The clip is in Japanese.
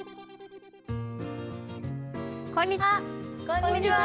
こんにちは。